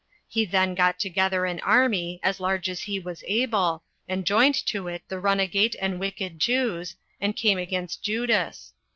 He then got together an army, as large as he was able, and joined to it the runagate and wicked Jews, and came against Judas.